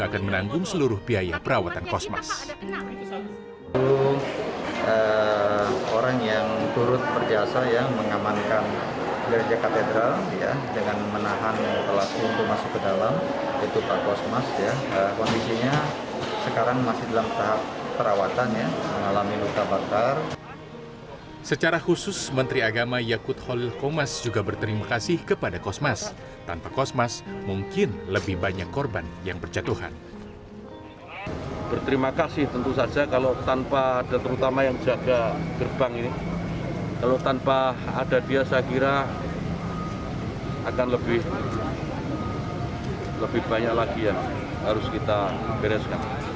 kalau tanpa ada dia saya kira akan lebih banyak lagi yang harus kita bereskan